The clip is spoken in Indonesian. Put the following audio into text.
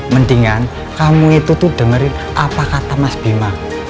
mendingan kamu itu tuh dengerin apa kata mas bima